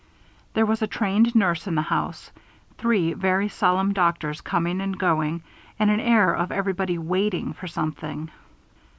There was a trained nurse in the house, three very solemn doctors coming and going, and an air of everybody waiting for something.